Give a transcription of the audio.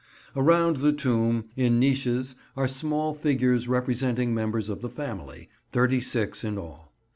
Around the tomb, in niches, are small figures representing members of the family, thirty six in all.